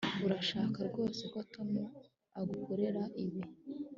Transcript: urashaka rwose ko tom agukorera ibi